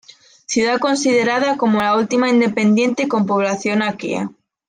Ciudad considerada como la última independiente con población aquea.